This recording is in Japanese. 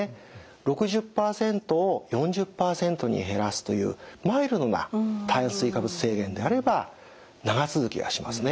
６０％を４０％に減らすというマイルドな炭水化物制限であれば長続きはしますね。